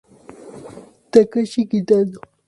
Takashi Kitano